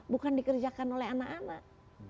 bukan dikerjakan oleh anak anak